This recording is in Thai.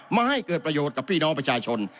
มาให้เกิดประโยชน์กับพี่น้องประชาชน